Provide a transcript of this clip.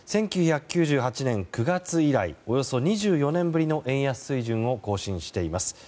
１９９８年９月以来およそ２４年ぶりの円安水準を更新しています。